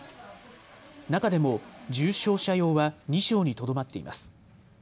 中でも重症者用は２床にとどまっています。